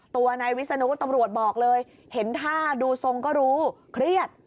ตัวนายวิศนุตำรวจบอกเลยเห็นท่าดูทรงก็รู้เครียด